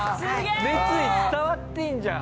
熱意伝わってるじゃん。